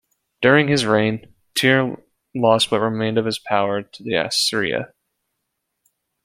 During his reign, Tyre lost what remained of its power to Assyria.